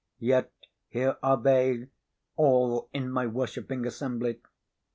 Yet here are they all in my worshipping assembly.